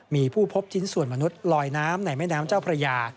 มีผู้พบชิ้นส่วนมนุษย์ลอยน้ำในแม่น้ำเจ้าพระยา